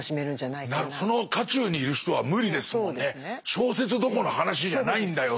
小説どころの話じゃないんだよっていう。